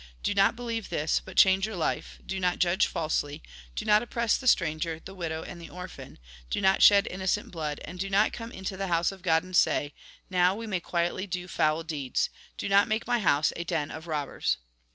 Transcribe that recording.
Do not believe this, but change your life; do not judge falsely ; do not oppress the stranger, the widow and the orphan ; do not shed innocent blood, and do not come into the house of God, and say : Now we may quietly do foul deeds. Do not make my house a den of robbers."